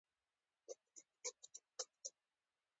هغې خپل بادار په ډېرې اسانۍ سره مغلوب کړ.